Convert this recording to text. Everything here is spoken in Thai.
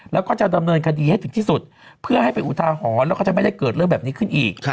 แล้วก็จะดำเนินคดีให้ถึงที่สุดเพื่อให้เป็นอุทาหรณ์แล้วก็จะไม่ได้เกิดเรื่องแบบนี้ขึ้นอีก